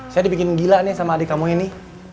saya dibikin gila nih sama adik kamu ini